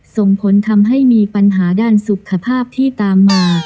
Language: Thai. ส่งผลทำให้มีปัญหาด้านสุขภาพที่ตามมา